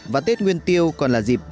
và tết nguyên tiêu còn là dịp